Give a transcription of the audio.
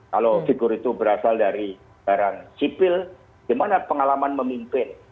kalau figur itu berasal dari barang sipil gimana pengalaman memimpin